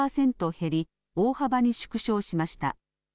減り大幅に縮小しました。